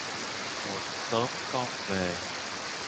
Một sớm con về